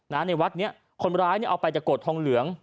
ในนี้วัดเนี่ยคนร้ายเนี่ยเอาไปจากโกรธทองเหลือง